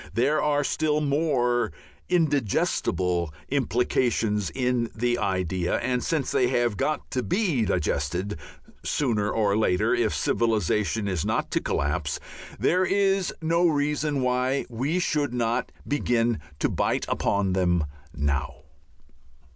There are still more indigestible implications in the idea, and, since they have got to be digested sooner or later if civilization is not to collapse, there is no reason why we should not begin to bite upon them now.